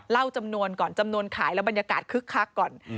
เล่าจำนวนก่อนจำนวนขายแล้วบรรยากาศคึกคักก่อน